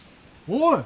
おい！